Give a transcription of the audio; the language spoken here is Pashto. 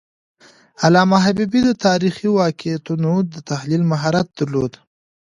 علامه حبیبي د تاریخي واقعیتونو د تحلیل مهارت درلود.